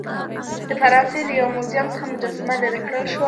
د فرانسې له یو موزیم څخه مجسمه لیرې کړل شوه.